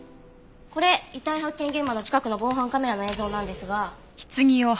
これ遺体発見現場の近くの防犯カメラの映像なんですが。